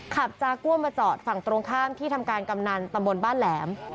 จากัวมาจอดฝั่งตรงข้ามที่ทำการกำนันตำบลบ้านแหลม